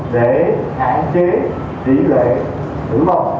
để hạn chế kỷ lệ tử vong